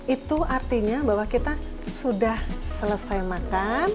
itu artinya bahwa kita sudah selesai makan